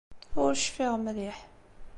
Ur cfiɣ mliḥ.